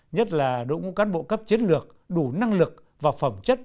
nhất là đội ngũ cán bộ cấp chiến lược đủ năng lực và phẩm chất